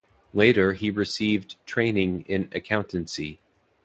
Later he received training in accountancy.